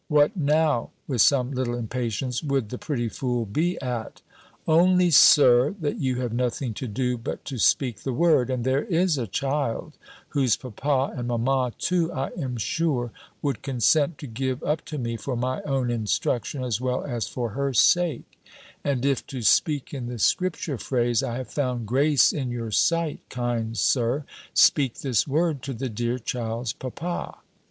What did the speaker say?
"What now," with some little impatience, "would the pretty fool be at?" "Only, Sir, that you have nothing to do, but to speak the word, and there is a child, whose papa and mamma too, I am sure, would consent to give up to me for my own instruction, as well as for her sake; and if, to speak in the Scripture phrase, I have found grace in your sight, kind Sir, speak this word to the dear child's papa."